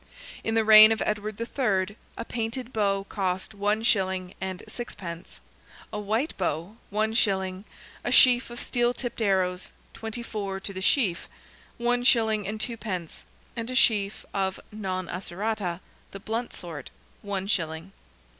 In the reign of Edward III., a painted bow cost 1 shilling and 6 pence, a white bow, 1 shilling; a sheaf of steel tipped arrows (24 to the sheaf), 1 shilling and 2 pence, and a sheaf of non accerata (the blunt sort), 1 shilling.